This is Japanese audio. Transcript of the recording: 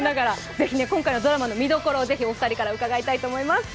ぜひ今回のドラマの見どころをお二人から伺いたいと思います。